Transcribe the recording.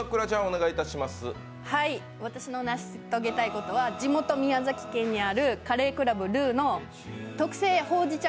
私の成し遂げたいことは地元・宮崎県にあるカレー倶楽部ルウの特製ほうじ茶